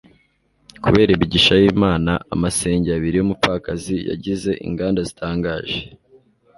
Kubera imigisha y'Imana amasenge abiri y'umupfakazi yagize inganda zitangaje.